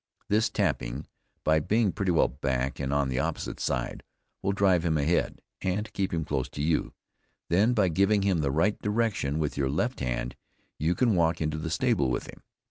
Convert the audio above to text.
This tapping, by being pretty well back, and on the opposite side, will drive him ahead, and keep him close to you, then by giving him the right direction with your left hand you can walk into the stable with him.